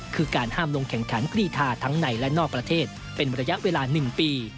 คือการห้ามลงแข่งขันกรีธาทั้งในและนอกประเทศเป็นระยะเวลา๑ปี